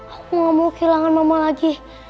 aku gak mau kehilangan mama lagi